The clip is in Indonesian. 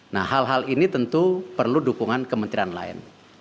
nah hal hal ini tentu perlu dukungan kementerian lain